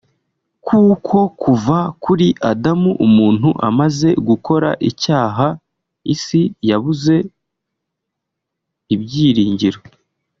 kuko kuva kuri Adamu umuntu amaze gukora icyaha isi yabuze ibyiringiro